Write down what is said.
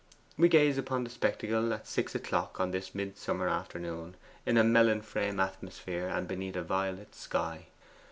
We gaze upon the spectacle, at six o'clock on this midsummer afternoon, in a melon frame atmosphere and beneath a violet sky.